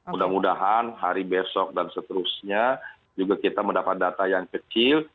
mudah mudahan hari besok dan seterusnya juga kita mendapat data yang kecil